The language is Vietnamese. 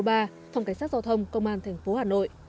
phòng cảnh sát giao thông công an thành phố hà nội